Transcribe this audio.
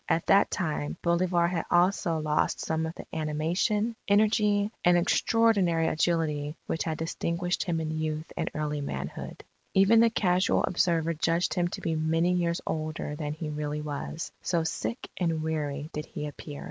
At that time, Bolivar had also lost some of the animation, energy, and extraordinary agility which had distinguished him in youth and early manhood. Even the casual observer judged him to be many years older than he really was, so sick and weary did he appear....